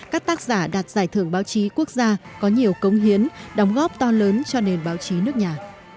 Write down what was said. các tác giả đạt giải thưởng báo chí quốc gia có nhiều cống hiến đóng góp to lớn cho nền báo chí nước nhà